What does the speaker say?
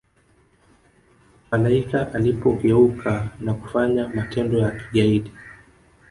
malaika alipogeuka na kufanya matendo ya kigaidi